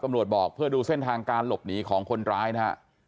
บอกเพื่อดูเส้นทางการหลบหนีของคนร้ายนะฮะ